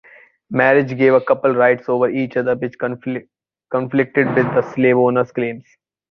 Marriage gave a couple rights over each other which conflicted with the slave-owners' claims.